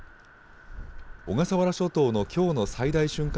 小笠原諸島のきょうの最大瞬間